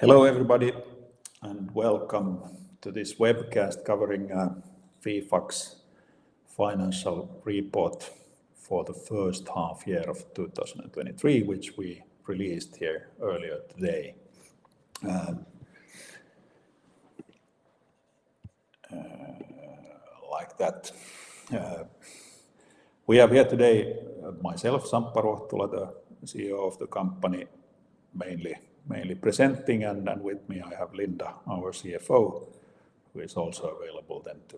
Hello, everybody, and welcome to this webcast covering Fifax financial report for the first half year of 2023, which we released here earlier today. We have here today, myself, Samppa Ruohtula, the CEO of the company, mainly presenting, and with me, I have Linda, our CFO, who is also available then to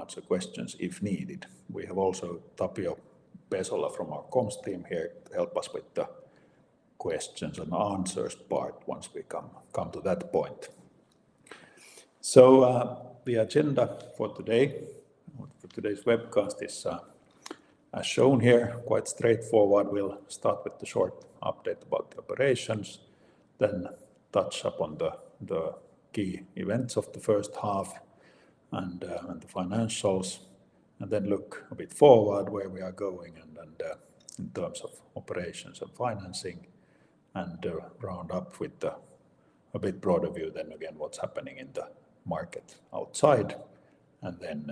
answer questions if needed. We have also Tapio Pesola from our comms team here to help us with the questions and answers part once we come to that point. So, the agenda for today, for today's webcast, is as shown here, quite straightforward. We'll start with the short update about the operations, then touch upon the key events of the first half and the financials, and then look a bit forward where we are going and in terms of operations and financing, and round up with a bit broader view then again, what's happening in the market outside. And then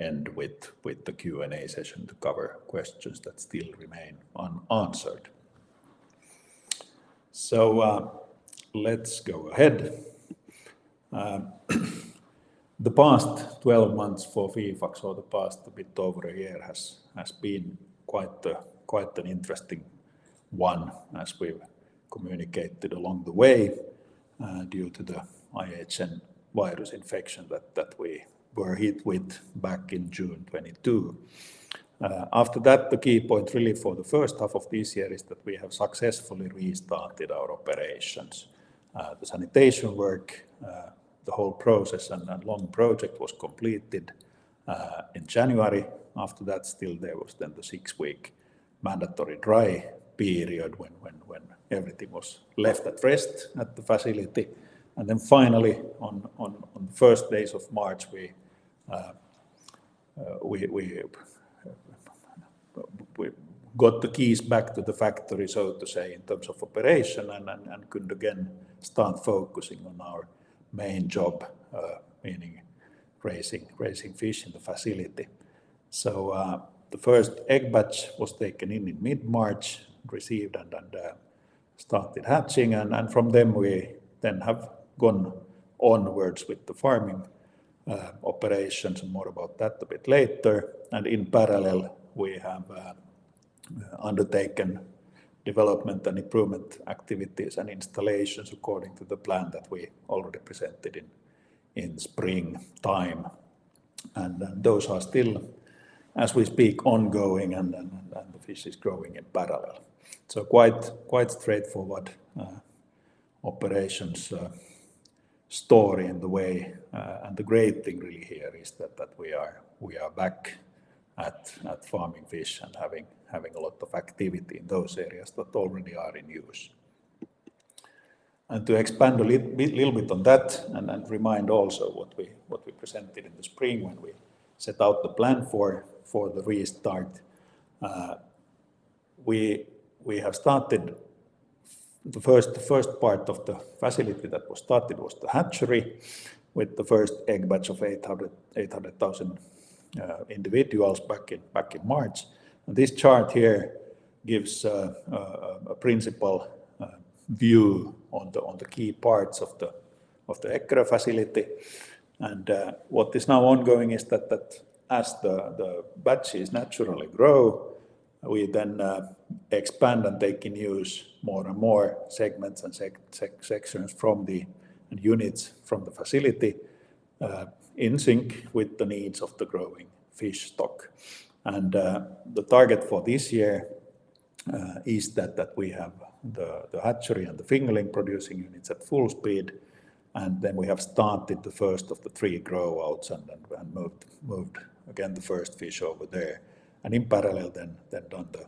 end with the Q&A session to cover questions that still remain unanswered. So let's go ahead. The past 12 months for Fifax or the past a bit over a year has been quite an interesting one, as we've communicated along the way, due to the IHN virus infection that we were hit with back in June 2022. After that, the key point really for the first half of this year is that we have successfully restarted our operations. The sanitation work, the whole process and long project was completed in January. After that, still there was then the six-week mandatory dry period when everything was left at rest at the facility. And then finally, on first days of March, we got the keys back to the factory, so to say, in terms of operation, and could again start focusing on our main job, meaning raising fish in the facility. So, the first egg batch was taken in mid-March, received and started hatching, and from them, we then have gone onwards with the farming operations, and more about that a bit later. And in parallel, we have undertaken development and improvement activities and installations according to the plan that we already presented in spring time. And those are still, as we speak, ongoing, and then the fish is growing in parallel. So quite straightforward operations story in the way. And the great thing really here is that we are back at farming fish and having a lot of activity in those areas that already are in use. And to expand a little bit on that and remind also what we presented in the spring when we set out the plan for the restart. We have started the first part of the facility that was started was the hatchery, with the first egg batch of 800,000 individuals back in March. This chart here gives a principal view on the key parts of the Eckerö facility. What is now ongoing is that as the batches naturally grow, we then expand and take in use more and more segments and sections and units from the facility in sync with the needs of the growing fish stock. The target for this year is that we have the hatchery and the fingerling producing units at full speed, and then we have started the first of the three grow-outs and then moved again the first fish over there. In parallel then done the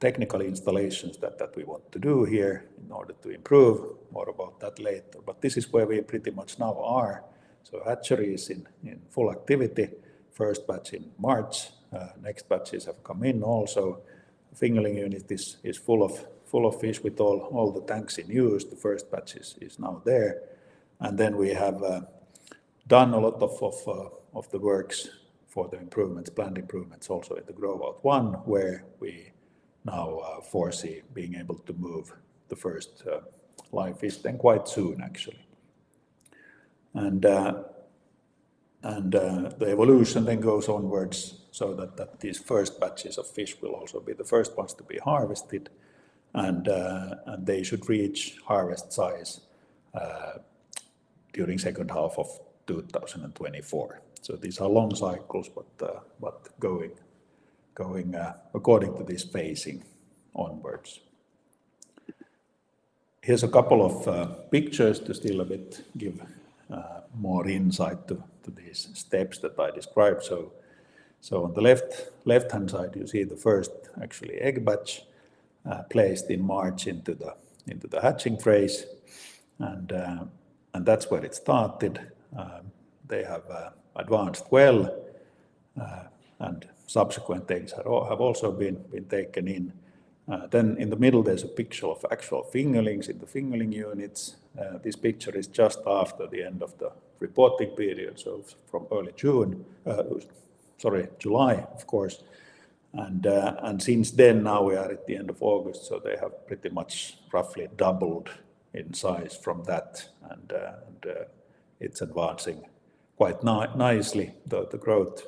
technical installations that we want to do here in order to improve. More about that later. This is where we pretty much now are. The hatchery is in full activity. First batch in March. Next batches have come in also. The fingerling unit is full of fish with all the tanks in use. The first batch is now there. Then we have done a lot of the works for the improvements, planned improvements, also in the grow-out one, where we now foresee being able to move the first live fish then quite soon, actually. And the evolution then goes onwards so that these first batches of fish will also be the first ones to be harvested, and they should reach harvest size during second half of 2024. So these are long cycles, but going according to this pacing onwards. Here's a couple of pictures to still a bit give more insight to these steps that I described. So on the left-hand side, you see the first actually egg batch placed in March into the hatching phase, and that's where it started. They have advanced well. And subsequent things are all have also been taken in. Then in the middle, there's a picture of actual fingerlings in the fingerling units. This picture is just after the end of the reporting period, so from early June, sorry, July, of course. And since then, now we are at the end of August, so they have pretty much roughly doubled in size from that, and it's advancing quite nicely. The growth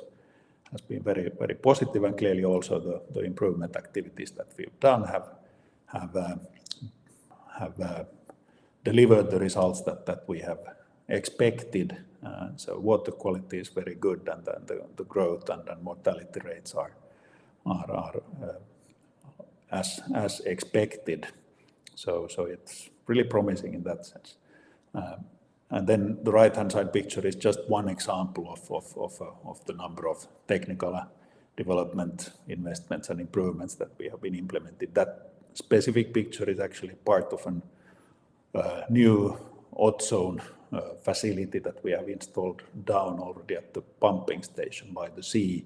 has been very, very positive, and clearly also the improvement activities that we've done have delivered the results that we have expected. And so water quality is very good, and then the growth and mortality rates are as expected. So it's really promising in that sense. And then the right-hand side picture is just one example of the number of technical development investments and improvements that we have been implementing. That specific picture is actually part of a new ozone facility that we have installed down already at the pumping station by the sea,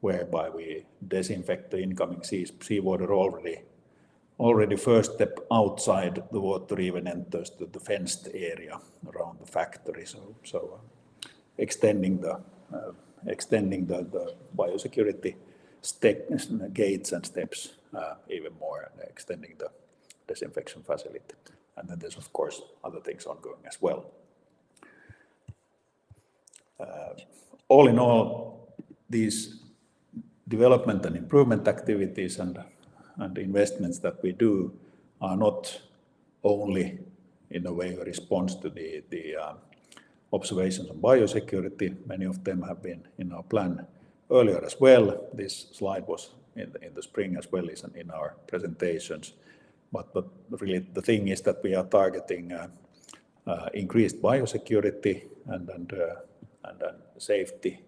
whereby we disinfect the incoming seawater already. Already first step outside, the water even enters the fenced area around the factory. So extending the biosecurity gates and steps even more and extending the disinfection facility. And then there's, of course, other things ongoing as well. All in all, these development and improvement activities and investments that we do are not only in a way a response to the observations on biosecurity. Many of them have been in our plan earlier as well. This slide was in the spring as well as in our presentations. But really the thing is that we are targeting increased biosecurity and safety,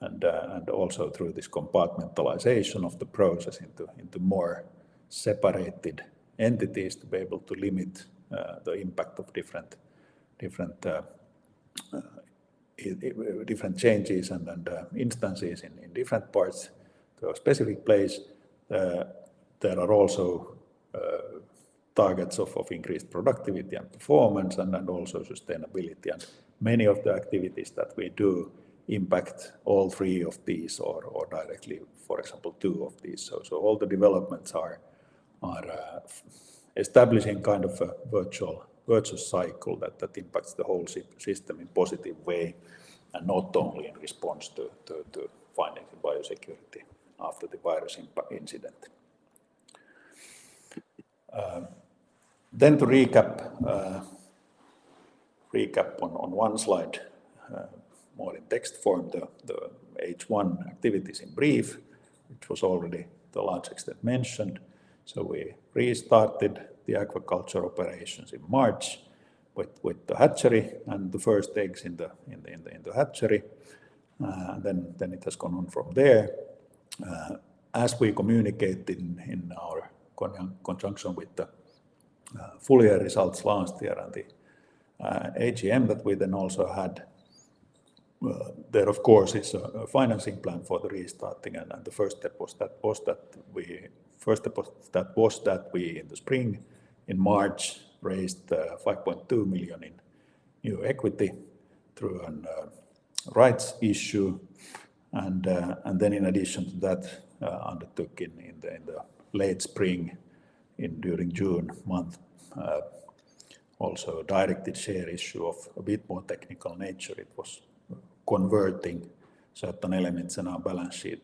and also through this compartmentalization of the process into more separated entities to be able to limit the impact of different changes and instances in different parts. The specific place there are also targets of increased productivity and performance and also sustainability. Many of the activities that we do impact all three of these or directly, for example, two of these. All the developments are establishing kind of a virtuous cycle that impacts the whole system in positive way, and not only in response to findings in biosecurity after the virus incident. Then to recap on one slide, more in text form, the H1 activities in brief, which was already to a large extent mentioned. We restarted the aquaculture operations in March with the hatchery and the first eggs in the hatchery. It has gone on from there. As we communicated in our conjunction with the full year results last year and the AGM that we then also had, there, of course, is a financing plan for the restarting. The first step was that we, in the spring, in March, raised 5.2 million in new equity through a rights issue. Then in addition to that, we undertook in the late spring, during June, also a directed share issue of a bit more technical nature. It was converting certain elements in our balance sheet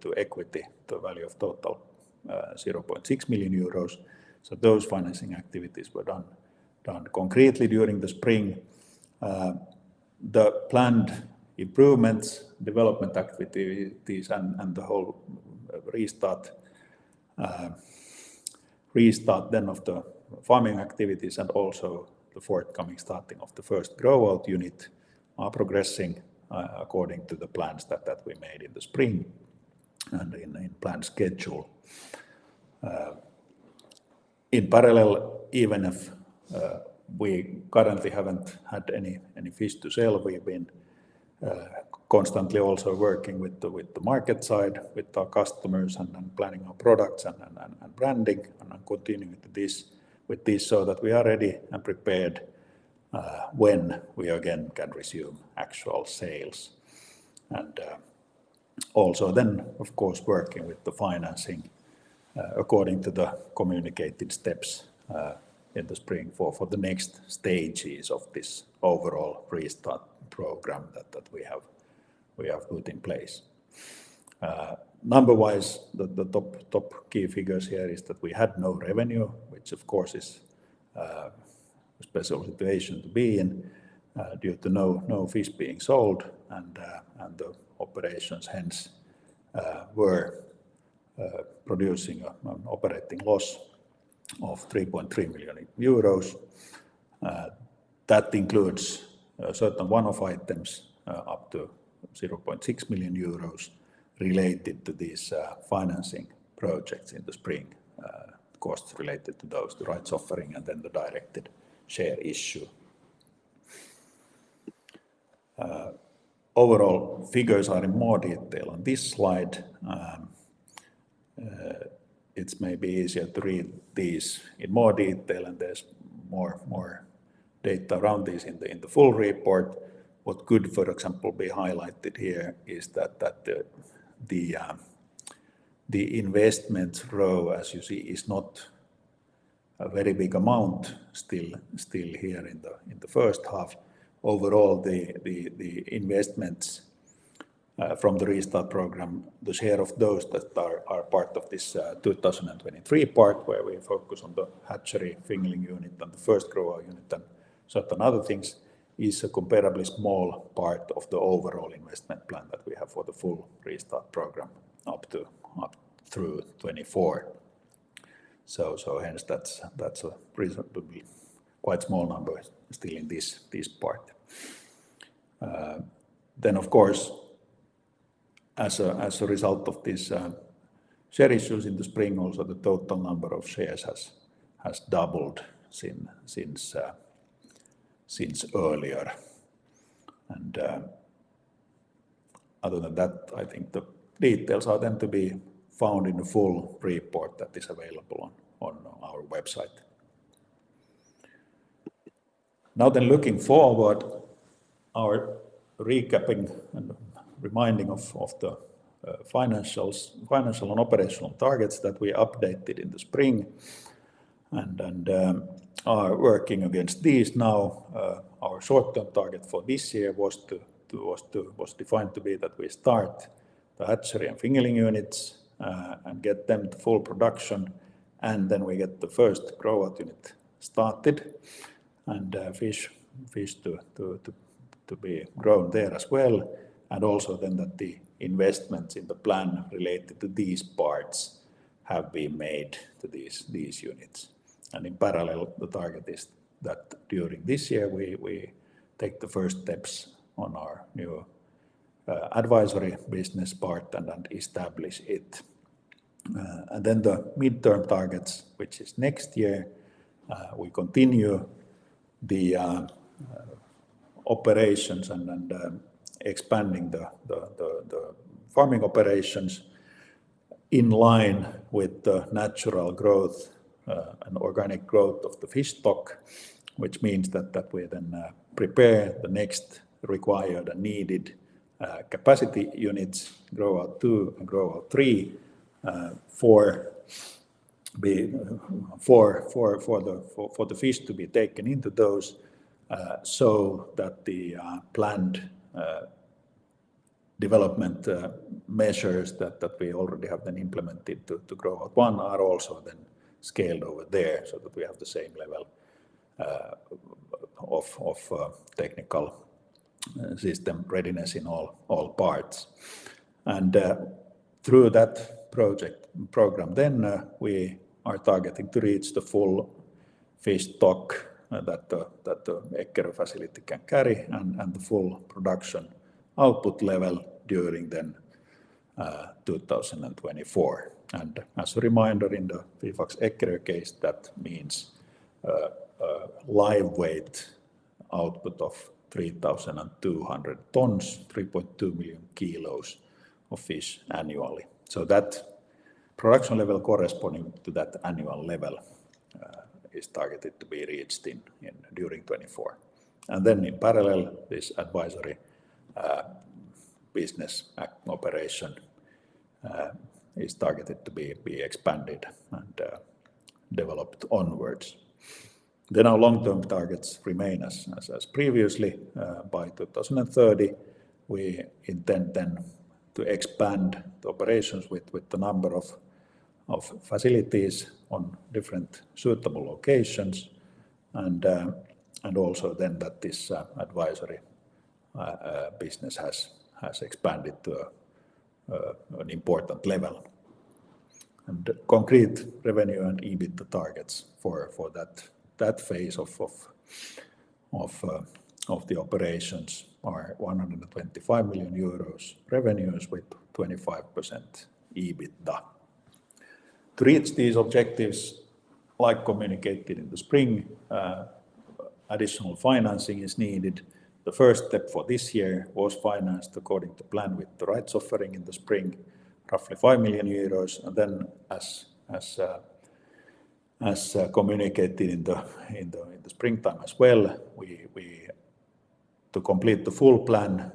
to equity, to a total value of 0.6 million euros. So those financing activities were done concretely during the spring. The planned improvements, development activities, and the whole restart then of the farming activities and also the forthcoming starting of the first grow-out unit are progressing according to the plans that we made in the spring and in planned schedule. In parallel, even if we currently haven't had any fish to sell, we've been constantly also working with the market side, with our customers, and planning our products and branding and continuing with this so that we are ready and prepared when we again can resume actual sales. And also then, of course, working with the financing according to the communicated steps in the spring for the next stages of this overall restart program that we have put in place. Number-wise, the top key figures here is that we had no revenue, which of course is a special situation to be in, due to no fish being sold, and the operations hence were producing an operating loss of 3.3 million euros. That includes certain one-off items up to 0.6 million euros related to these financing projects in the spring, costs related to those, the rights offering, and then the directed share issue. Overall figures are in more detail on this slide. It's maybe easier to read these in more detail, and there's more data around this in the full report. What could, for example, be highlighted here is that the investment row, as you see, is not a very big amount still here in the first half. Overall, the investments from the restart program, the share of those that are part of this 2023 part, where we focus on the hatchery fingerling unit and the first grower unit and certain other things, is a comparably small part of the overall investment plan that we have for the full restart program up through 2024. So hence that's a reason to be quite small number still in this part. Then of course, as a result of this share issues in the spring, also the total number of shares has doubled since earlier. Other than that, I think the details are then to be found in the full report that is available on our website. Now then, looking forward, recapping and reminding of the financial and operational targets that we updated in the spring and are working against these now. Our short-term target for this year was defined to be that we start the hatchery and fingerling units and get them to full production, and then we get the first grower unit started, and fish to be grown there as well. And also then that the investments in the plan related to these parts have been made to these units. In parallel, the target is that during this year, we take the first steps on our new advisory business part and establish it. And then the midterm targets, which is next year, we continue the operations and expanding the farming operations in line with the natural growth and organic growth of the fish stock, which means that we then prepare the next required and needed capacity units, grower two and grower three, for the fish to be taken into those, so that the planned development measures that we already have been implemented to grower one are also then scaled over there, so that we have the same level of technical system readiness in all parts. Through that project program, then, we are targeting to reach the full fish stock, that the Eckerö facility can carry, and the full production output level during 2024. And as a reminder, in the Fifax Eckerö case, that means live weight output of 3,200 tons, 3.2 million kilos of fish annually. So that production level corresponding to that annual level is targeted to be reached in during 2024. And then in parallel, this advisory business operation is targeted to be expanded and developed onwards. Then our long-term targets remain as previously. By 2030, we intend then to expand the operations with the number of facilities on different suitable locations, and also then that this advisory business has expanded to an important level. Concrete revenue and EBITDA targets for that phase of the operations are 125 million euros revenues with 25% EBITDA. To reach these objectives, like communicated in the spring, additional financing is needed. The first step for this year was financed according to plan with the rights offering in the spring, roughly 5 million euros. Then as communicated in the springtime as well, to complete the full plan,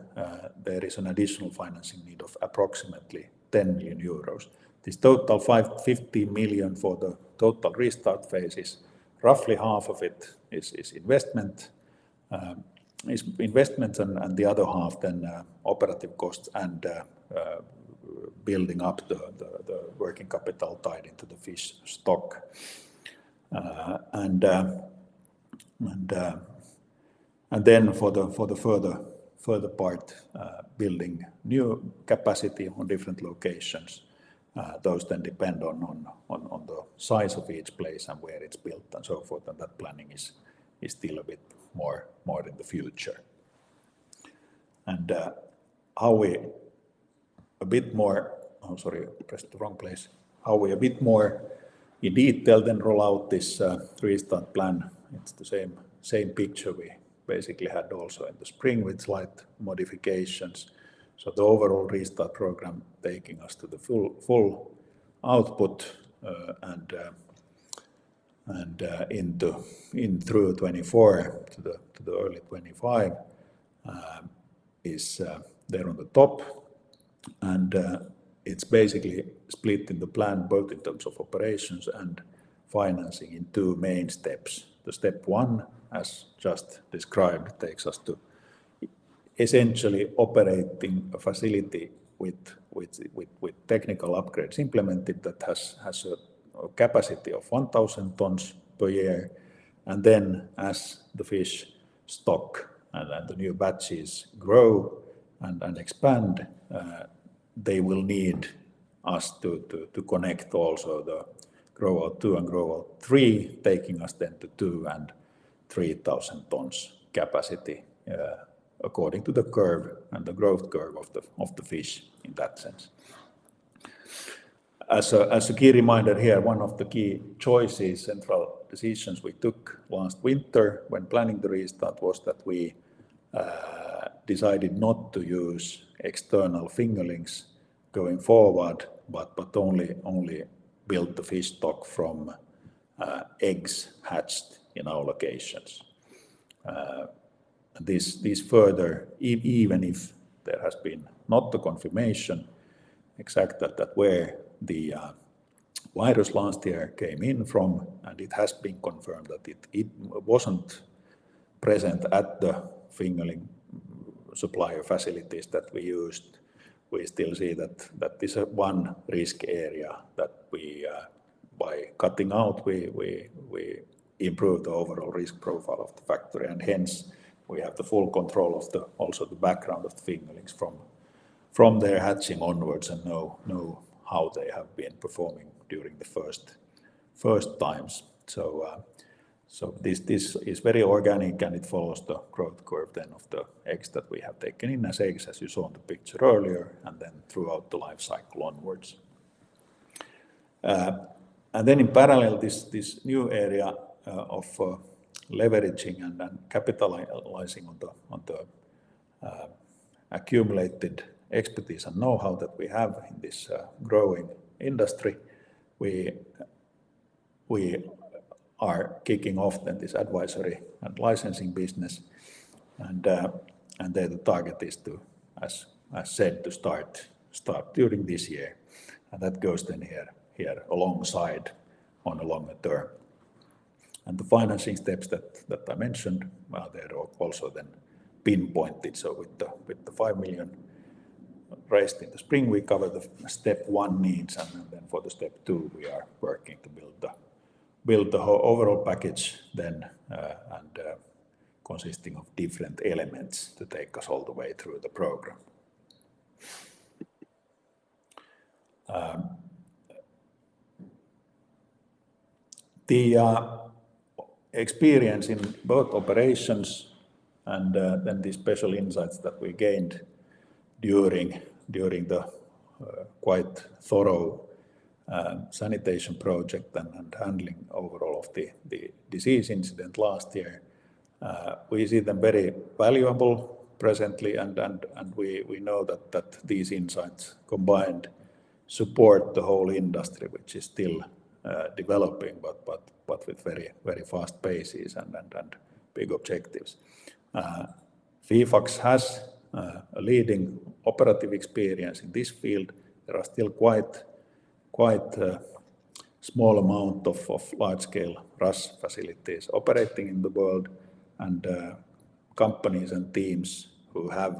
there is an additional financing need of approximately 10 million euros. This total 15 million for the total restart phase is roughly half of it is investment, and the other half then operative costs and building up the working capital tied into the fish stock. And then for the further part, building new capacity on different locations, those then depend on the size of each place and where it's built and so forth, and that planning is still a bit more in the future. How we a bit more in detail then roll out this restart plan. It's the same picture we basically had also in the spring, with slight modifications. So the overall restart program taking us to the full, full output, and, and, in through 2024 to the early 2025, is there on the top. And, it's basically split in the plan, both in terms of operations and financing in two main steps. The step one, as just described, takes us to essentially operating a facility with technical upgrades implemented that has a capacity of 1,000 tons per year. And then as the fish stock and then the new batches grow and expand, they will need us to connect also the grower two and grower three, taking us then to 2,000 and 3,000 tons capacity, according to the curve and the growth curve of the fish in that sense. As a key reminder here, one of the key choices, central decisions we took last winter when planning the restart, was that we decided not to use external fingerlings going forward, but only build the fish stock from eggs hatched in our locations. This further even if there has been not the confirmation exact that where the virus last year came in from, and it has been confirmed that it wasn't present at the fingerling supplier facilities that we used. We still see that is one risk area that we by cutting out, we improve the overall risk profile of the factory, and hence, we have the full control of the also the background of the fingerlings from their hatching onwards and know how they have been performing during the first times. So, this is very organic, and it follows the growth curve then of the eggs that we have taken in as eggs, as you saw in the picture earlier, and then throughout the life cycle onwards. And then in parallel, this new area of leveraging and capitalizing on the accumulated expertise and know-how that we have in this growing industry. We are kicking off then this advisory and licensing business, and then the target is to, as I said, to start during this year. And that goes then here alongside on a longer term. And the financing steps that I mentioned, well, they're also then pinpointed. So with the 5 million raised in the spring, we cover the step one needs, and then for the step two, we are working to build the whole overall package then, and consisting of different elements to take us all the way through the program. The experience in both operations and then the special insights that we gained during the quite thorough sanitation project and handling overall of the disease incident last year, we see them very valuable presently, and we know that these insights combined support the whole industry, which is still developing, but with very fast paces and big objectives. Fifax has a leading operative experience in this field. There are still quite, quite, small amount of large-scale RAS facilities operating in the world, and companies and teams who have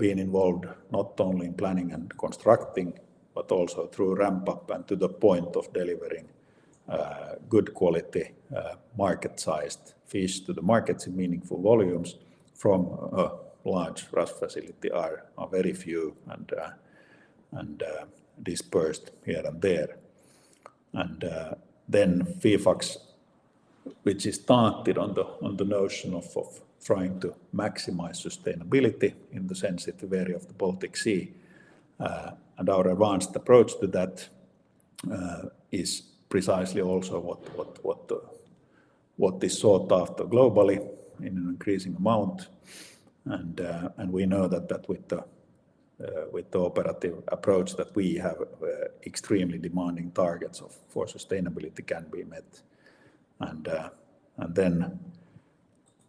been involved not only in planning and constructing, but also through ramp up and to the point of delivering good quality market-sized fish to the markets in meaningful volumes from a large RAS facility are very few and dispersed here and there. Then Fifax, which is started on the notion of trying to maximize sustainability in the sensitive area of the Baltic Sea, and our advanced approach to that, is precisely also what is sought after globally in an increasing amount. And we know that with the operative approach that we have, extremely demanding targets for sustainability can be met. And then,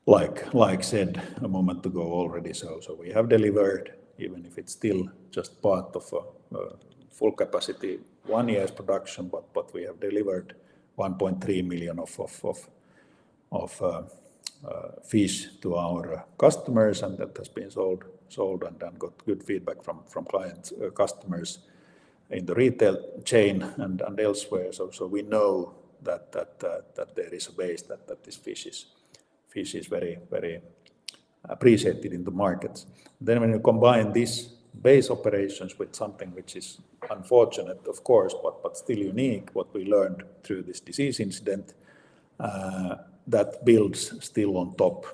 like said a moment ago already, so we have delivered, even if it's still just part of a full capacity, one year's production, but we have delivered 1.3 million fish to our customers, and that has been sold and got good feedback from clients, customers in the retail chain and elsewhere. So we know that there is a base, that this fish is very appreciated in the markets. Then when you combine this base operations with something which is unfortunate, of course, but still unique, what we learned through this disease incident, that builds still on top.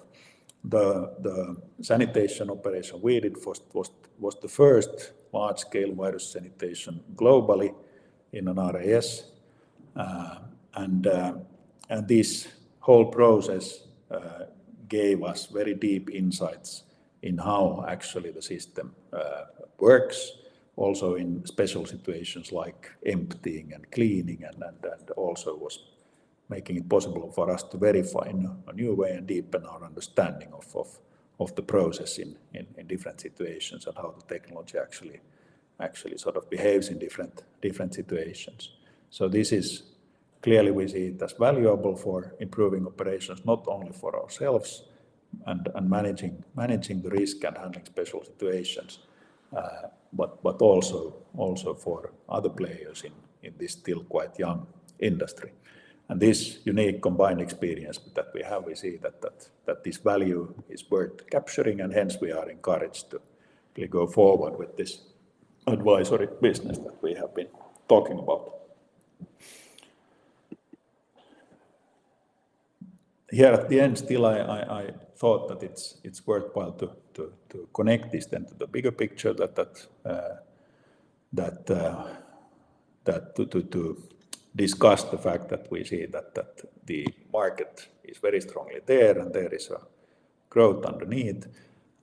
The sanitation operation we did first was the first large-scale virus sanitation globally in an RAS. And this whole process gave us very deep insights in how actually the system works, also in special situations like emptying and cleaning, and also was making it possible for us to verify in a new way and deepen our understanding of the process in different situations, and how the technology actually sort of behaves in different situations. So this is clearly we see it as valuable for improving operations, not only for ourselves and managing the risk and handling special situations, but also for other players in this still quite young industry. And this unique combined experience that we have, we see that this value is worth capturing, and hence we are encouraged to go forward with this advisory business that we have been talking about. Here at the end, still, I thought that it's worthwhile to connect this then to the bigger picture, that to discuss the fact that we see that the market is very strongly there, and there is a growth underneath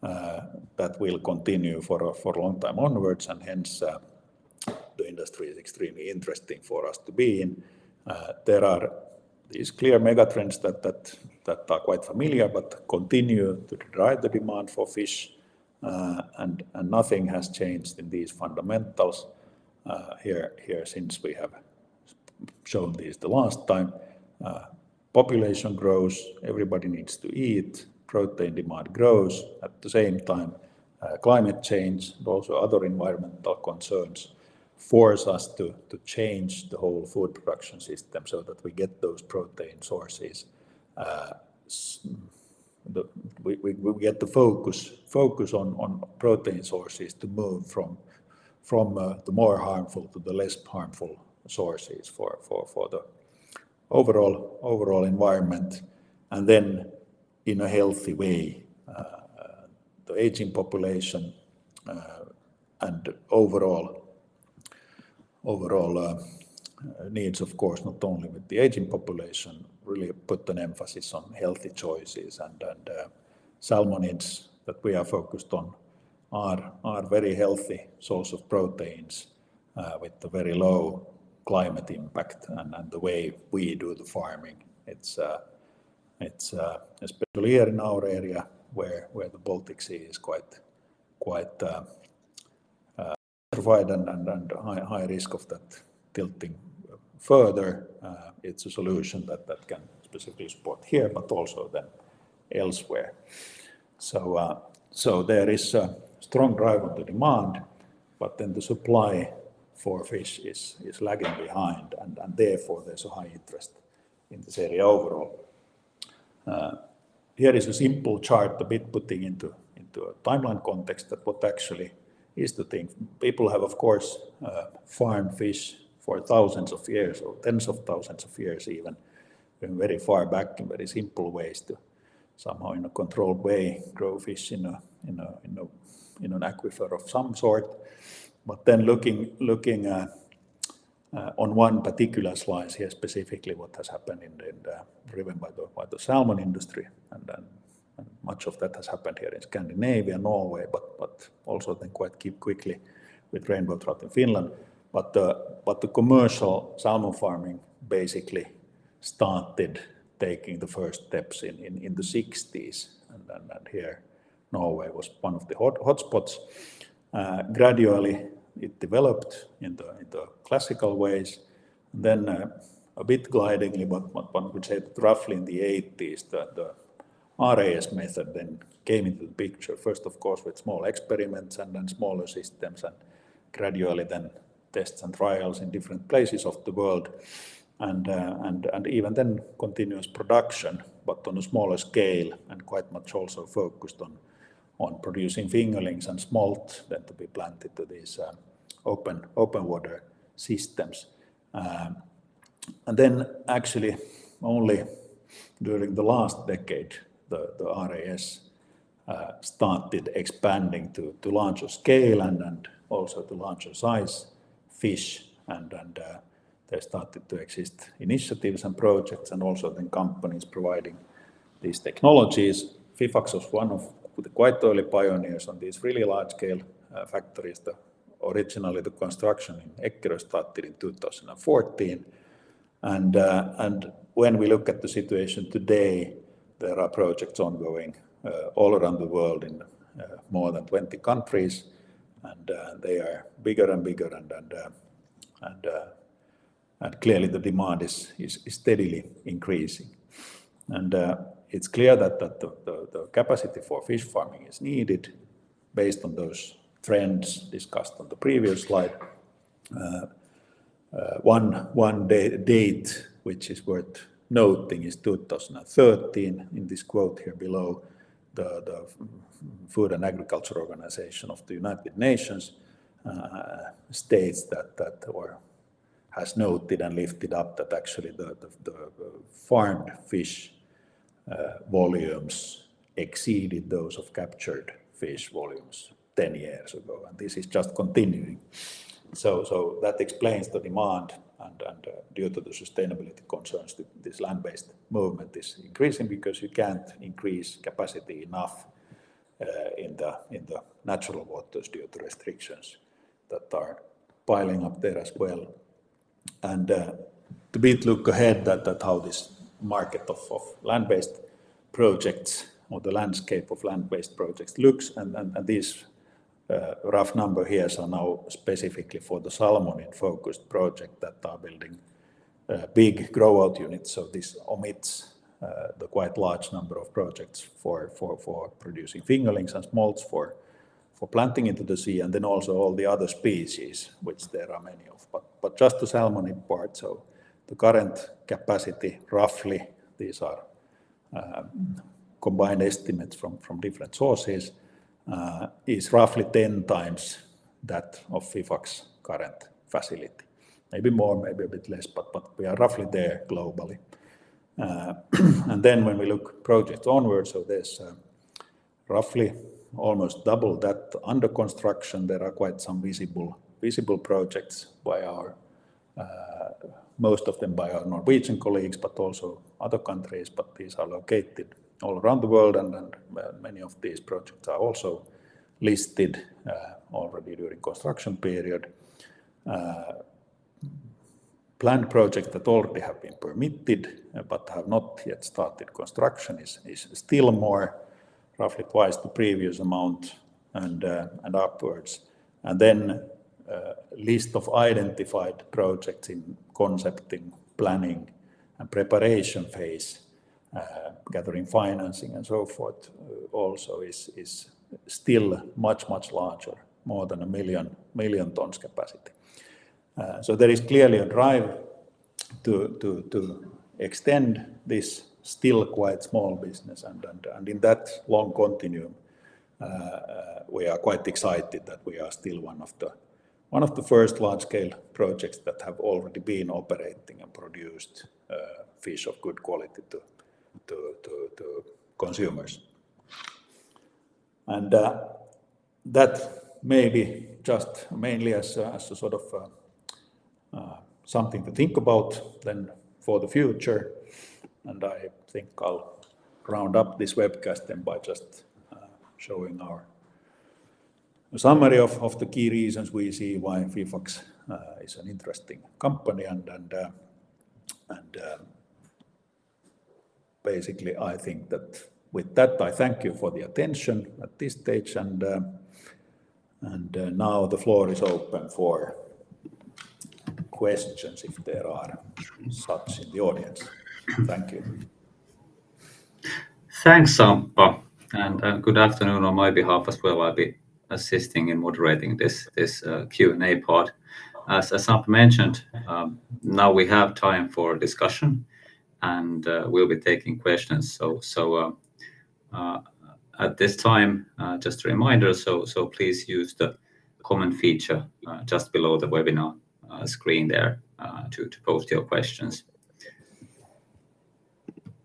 that will continue for a long time onwards, and hence, the industry is extremely interesting for us to be in. There are these clear megatrends that are quite familiar but continue to drive the demand for fish, and nothing has changed in these fundamentals here since we have shown these the last time. Population grows, everybody needs to eat, protein demand grows. At the same time, climate change, but also other environmental concerns, force us to change the whole food production system so that we get those protein sources. We get to focus on protein sources to move from the more harmful to the less harmful sources for the overall environment, and then in a healthy way. The aging population and overall needs, of course, not only with the aging population, really put an emphasis on healthy choices, and salmonids that we are focused on are very healthy source of proteins with the very low climate impact. The way we do the farming, it's especially here in our area where the Baltic Sea is quite polluted and high risk of that tilting further. It's a solution that can specifically support here, but also then elsewhere. So there is a strong drive on the demand, but then the supply for fish is lagging behind, and therefore, there's a high interest in this area overall. Here is a simple chart, a bit putting into a timeline context that what actually is the thing. People have, of course, farmed fish for thousands of years or tens of thousands of years, even. Going very far back in very simple ways to somehow, in a controlled way, grow fish in an aquarium of some sort. But then looking on one particular slide here, specifically what has happened in the driven by the salmon industry, and then much of that has happened here in Scandinavia, Norway, but also then quite quickly with rainbow trout in Finland. But the commercial salmon farming basically started taking the first steps in the 1960s, and then here, Norway was one of the hotspots. Gradually, it developed into classical ways, then a bit glidingly, but one would say roughly in the 1980s, that the RAS method then came into the picture. First, of course, with small experiments and then smaller systems, and gradually then tests and trials in different places of the world, and even then, continuous production, but on a smaller scale, and quite much also focused on producing fingerlings and smolt then to be planted to these open water systems. And then actually, only during the last decade, the RAS started expanding to larger scale and also to larger size fish, and they started to exist, initiatives and projects, and also then companies providing these technologies. Fifax was one of the quite early pioneers on these really large-scale factories. Originally, the construction in Eckerö started in 2014, and when we look at the situation today, there are projects ongoing all around the world in more than 20 countries, and they are bigger and bigger, and clearly the demand is steadily increasing. It's clear that the capacity for fish farming is needed based on those trends discussed on the previous slide. One date, which is worth noting, is 2013. In this quote here below, the Food and Agriculture Organization of the United Nations states that or has noted and lifted up that actually the farmed fish volumes exceeded those of captured fish volumes 10 years ago, and this is just continuing. So that explains the demand, and, and, due to the sustainability concerns, this land-based movement is increasing because you can't increase capacity enough, in the natural waters due to restrictions that are piling up there as well. And, to look ahead at how this market of land-based projects or the landscape of land-based projects looks, and these rough number here are now specifically for the salmonid-focused projects that are building big grow-out units. So this omits the quite large number of projects for producing fingerlings and smolts for planting into the sea, and then also all the other species, which there are many of. But just the salmonid part, so the current capacity, roughly, these are combined estimates from different sources, is roughly 10 times that of Fifax current facility. Maybe more, maybe a bit less, but we are roughly there globally. And then when we look projects onwards, so there's roughly almost double that under construction. There are quite some visible projects by our, most of them by our Norwegian colleagues, but also other countries. But these are located all around the world, and many of these projects are also listed already during construction period. Planned projects that already have been permitted, but have not yet started construction is still more, roughly twice the previous amount and upwards. And then, the list of identified projects in concept, in planning and preparation phase, gathering financing, and so forth, also is still much larger, more than 1 million tons capacity. So there is clearly a drive to extend this still quite small business, and in that long continuum, we are quite excited that we are still one of the first large-scale projects that have already been operating and produced fish of good quality to consumers. And that may be just mainly as a sort of something to think about then for the future. And I think I'll round up this webcast then by just showing our summary of the key reasons we see why Fifax is an interesting company. Basically, I think that with that, I thank you for the attention at this stage, and now the floor is open for questions, if there are such in the audience. Thank you. Thanks, Samppa, and good afternoon on my behalf as well. I'll be assisting and moderating this Q&A part. As Samppa mentioned, now we have time for discussion, and we'll be taking questions. So at this time, just a reminder, please use the comment feature just below the webinar screen there to post your questions.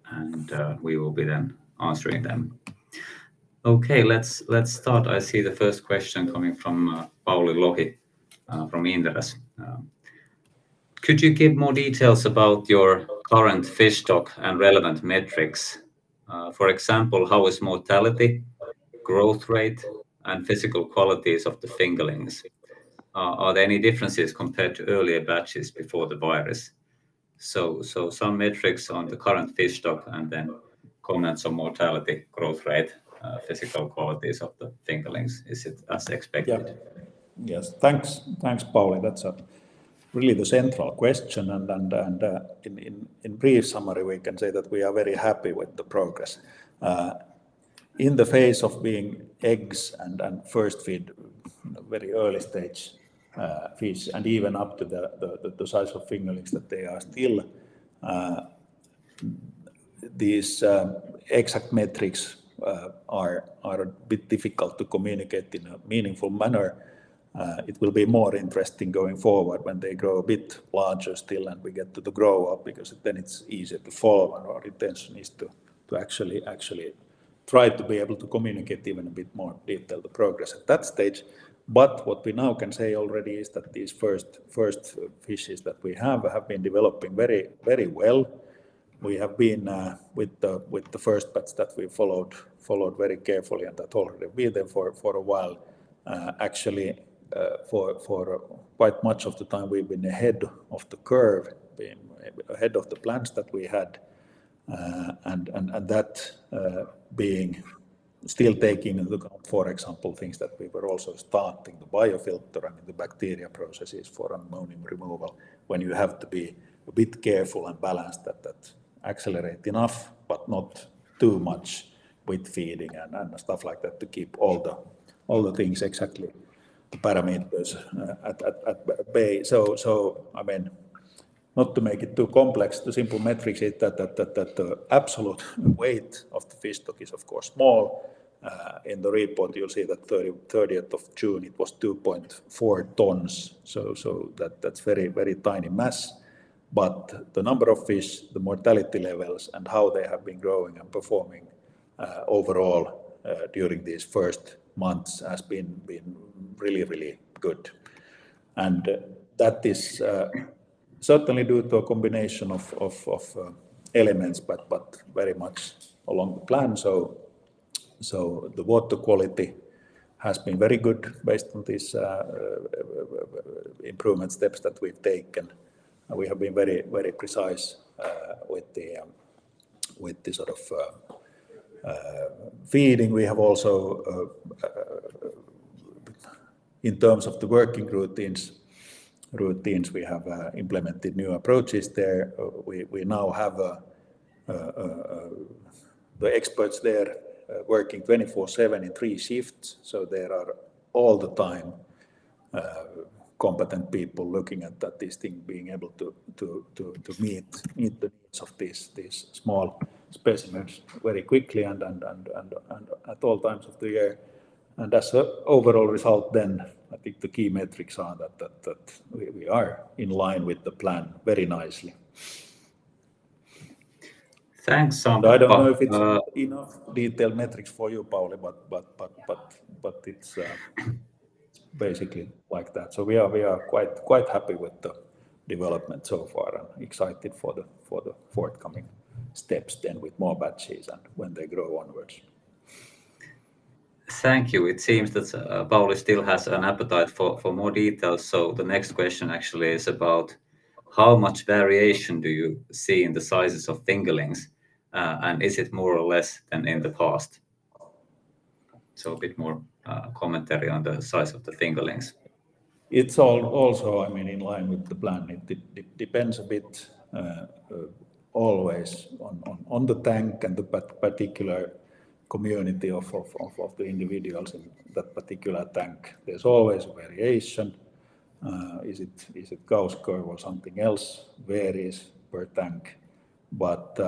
And we will be then answering them. Okay, let's start. I see the first question coming from Pauli Lohi from Inderes. Could you give more details about your current fish stock and relevant metrics? For example, how is mortality, growth rate, and physical qualities of the fingerlings? Are there any differences compared to earlier batches before the virus? So, some metrics on the current fish stock, and then comments on mortality, growth rate, physical qualities of the fingerlings. Is it as expected? Yeah. Yes. Thanks. Thanks, Pauli. That's really the central question, and in brief summary, we can say that we are very happy with the progress. In the phase of being eggs and first feed, very early stage fish, and even up to the size of fingerlings, that they are still... These exact metrics are a bit difficult to communicate in a meaningful manner. It will be more interesting going forward when they grow a bit larger still, and we get to the grow-out, because then it's easier to follow. And our intention is to actually try to be able to communicate even a bit more detail the progress at that stage. What we now can say already is that these first, first fishes that we have have been developing very, very well. We have been with the first batch that we followed, followed very carefully, and that already been there for a while. Actually, for quite much of the time, we've been ahead of the curve, been ahead of the plans that we had. And that being still taking into account, for example, things that we were also starting the biofilter and the bacteria processes for ammonium removal. When you have to be a bit careful and balanced that accelerate enough, but not too much with feeding and stuff like that, to keep all the things exactly the parameters at bay. So, I mean, not to make it too complex, the simple metrics is that the absolute weight of the fish stock is of course small. In the report you'll see that 30th of June it was 2.4 tons. So, that's very tiny mass, but the number of fish, the mortality levels, and how they have been growing and performing overall during these first months has been really good. And that is certainly due to a combination of elements, but very much along the plan. So, the water quality has been very good based on these improvement steps that we've taken, and we have been very precise with the sort of feeding. We have also in terms of the working routines, we have implemented new approaches there. We now have the experts there working 24/7 in three shifts, so there are all the time competent people looking at that, this thing, being able to meet the needs of these small specimens very quickly and at all times of the year. As an overall result then, I think the key metrics are that we are in line with the plan very nicely. Thanks, Samppa. I don't know if it's enough detailed metrics for you, Pauli, but it's basically like that. So we are quite happy with the development so far and excited for the forthcoming steps then with more batches and when they grow onwards. Thank you. It seems that Pauli still has an appetite for more details. So the next question actually is about: How much variation do you see in the sizes of fingerlings, and is it more or less than in the past? So a bit more commentary on the size of the fingerlings. It's all also, I mean, in line with the plan. It depends a bit always on the tank and the particular community of the individuals in that particular tank. There's always variation. Is it Gauss curve or something else? Varies per tank. But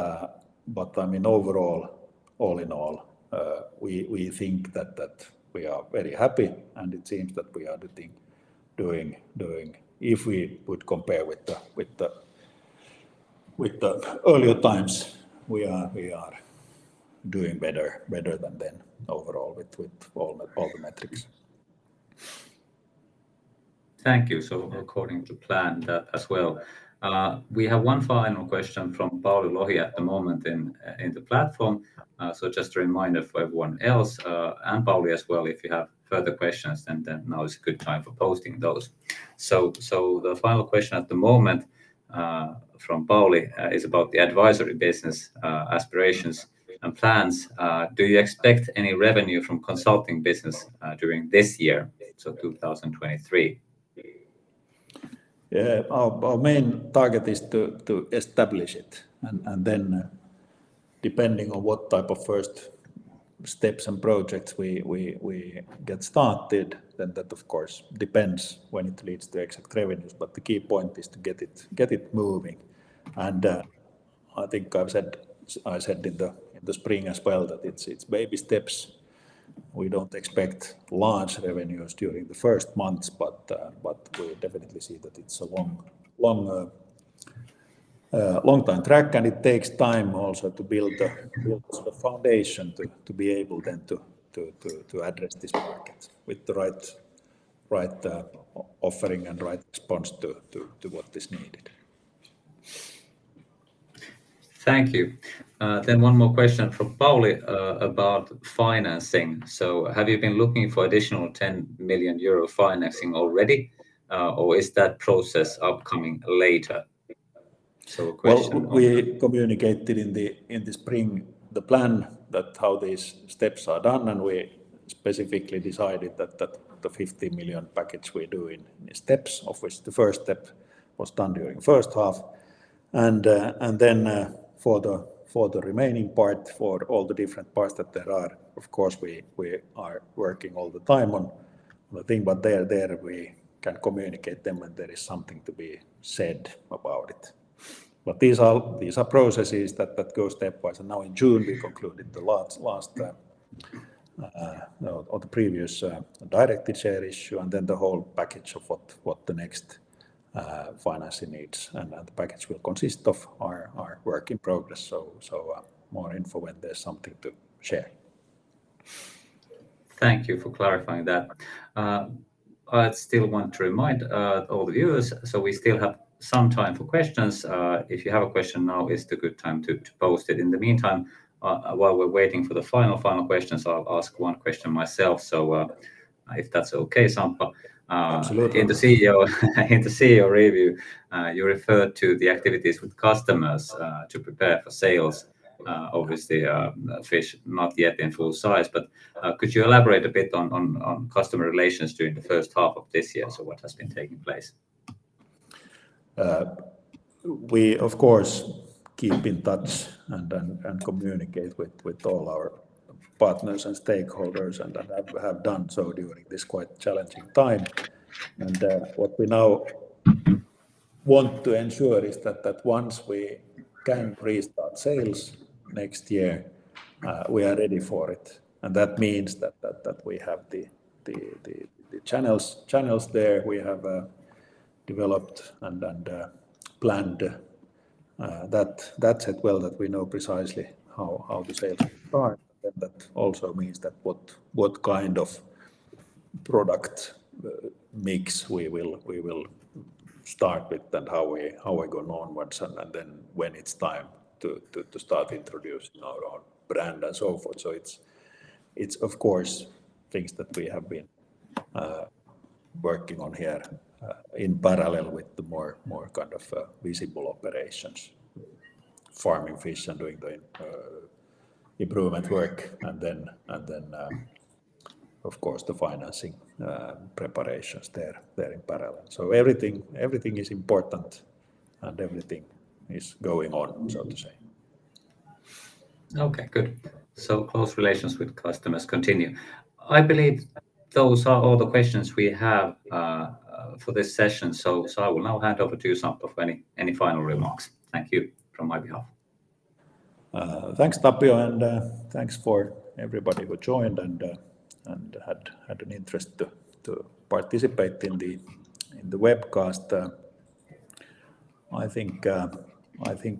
I mean, overall, all in all, we think that we are very happy, and it seems that we are the thing doing... If we would compare with the earlier times, we are doing better than them overall, with all the metrics. Thank you. So according to plan, that as well. We have one final question from Pauli Lohi at the moment in the platform. So just a reminder for everyone else, and Pauli as well, if you have further questions, then now is a good time for posting those. So the final question at the moment from Pauli is about the advisory business, aspirations and plans. Do you expect any revenue from consulting business during this year, so 2023? Yeah. Our main target is to establish it, and then depending on what type of first steps and projects we get started, then that, of course, depends when it leads to exact revenues. But the key point is to get it moving, and I think I've said, I said in the spring as well, that it's baby steps. We don't expect large revenues during the first months, but we definitely see that it's a long time track, and it takes time also to build the foundation to be able then to address this market with the right offering and right response to what is needed. Thank you. Then one more question from Pauli about financing. So have you been looking for additional 10 million euro financing already, or is that process upcoming later? So a question- Well, we communicated in the spring the plan that how these steps are done, and we specifically decided that the 15 million package we're doing in steps, of which the first step was done during the first half. And then, for the remaining part, for all the different parts that there are, of course, we are working all the time on the thing, but they are there. We can communicate them when there is something to be said about it. But these are processes that go stepwise, and now in June, we concluded the last or the previous directed share issue, and then the whole package of what the next financing needs and the package will consist of are work in progress. More info when there's something to share. Thank you for clarifying that. I still want to remind all the viewers, so we still have some time for questions. If you have a question, now is the good time to post it. In the meantime, while we're waiting for the final questions, I'll ask one question myself. So, if that's okay, Samppa. Absolutely. In the CEO review, you referred to the activities with customers to prepare for sales. Obviously, fish not yet in full size. But could you elaborate a bit on customer relations during the first half of this year? So what has been taking place? We, of course, keep in touch and then communicate with all our partners and stakeholders, and have done so during this quite challenging time. And what we now want to ensure is that once we can restart sales next year, we are ready for it. And that means that we have the channels there. We have developed and planned, that said, well, that we know precisely how the sales are. But that also means that what kind of product mix we will start with and how we go onwards, and then when it's time to start introducing our own brand and so forth. So it's, it's of course things that we have been working on here in parallel with the more, more kind of visible operations, farming fish and doing the improvement work. And then, and then of course the financing preparations there, there in parallel. So everything, everything is important, and everything is going on, so to say. Okay, good. So close relations with customers continue. I believe those are all the questions we have for this session. So I will now hand over to you, Samppa, for any final remarks. Thank you from my behalf. Thanks, Tapio, and thanks for everybody who joined and had an interest to participate in the webcast. I think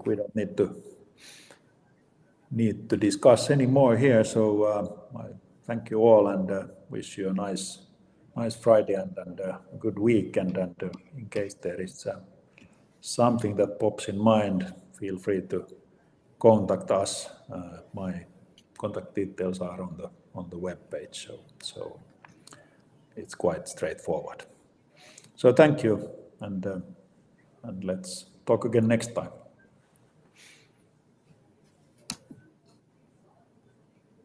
we don't need to discuss any more here. So, I thank you all and wish you a nice Friday and a good weekend. And in case there is something that pops in mind, feel free to contact us. My contact details are on the webpage, so it's quite straightforward. So thank you, and let's talk again next time.